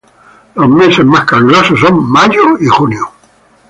Los meses más calurosos son mayo y junio.